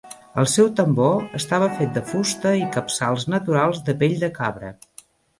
El seu tambor estava fet de fusta i capçals naturals de pell de cabra.